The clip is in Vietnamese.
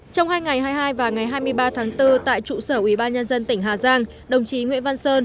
trong hai ngày hai mươi hai và ngày hai mươi ba tháng bốn tại trụ sở ubnd tỉnh hà giang đồng chí nguyễn văn sơn